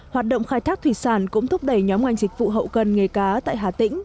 hoạt động khai thác thủy sản cũng thúc đẩy nhóm ngành dịch vụ hậu cần nghề cá tại hà tĩnh